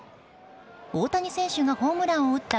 大谷選手がホームランを打った